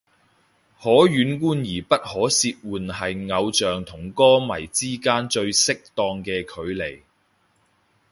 可遠觀而不可褻玩係偶像同歌迷之間最適當嘅距離